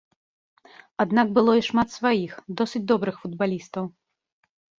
Аднак было і шмат сваіх, досыць добрых футбалістаў.